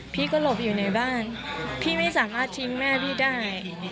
พี่ก็หลบอยู่ในบ้านพี่ไม่สามารถทิ้งแม่พี่ได้